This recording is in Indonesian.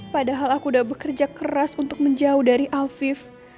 padahal aku sudah bekerja keras untuk menjauh dari alfif